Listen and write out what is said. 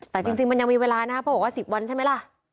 แต่จริงมันยังมีเวลานะครับเพราะบอกว่า๑๐วันใช่ไหมล่ะ